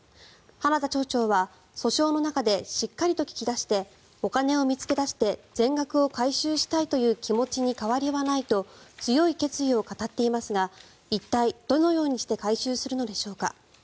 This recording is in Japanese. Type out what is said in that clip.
花田町長は訴訟の中でしっかりと聞き出してお金を見つけ出して全額を回収したいという気持ちに変わりはないと強い決意を語っていますが一体、どのようにして回収するのでしょうか。